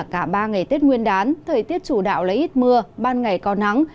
cả ba ngày tết nguyên đán thời tiết chủ đạo lấy ít mưa ban ngày có nắng